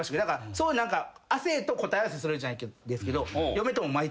そういう亜生と答え合わせするじゃないですけど。